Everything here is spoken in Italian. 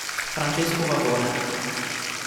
Francesco Pavone